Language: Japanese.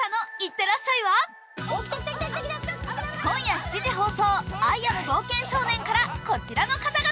今夜７時放送「アイ・アム・冒険少年」からこちらの方々。